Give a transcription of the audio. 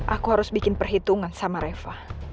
aku harus bikin perhitungan sama reva